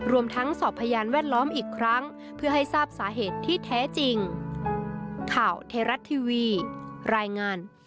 รวมทั้งสอบพยานแวดล้อมอีกครั้งเพื่อให้ทราบสาเหตุที่แท้จริง